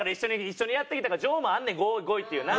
一緒にやってきたから情もあんねん５位っていうな。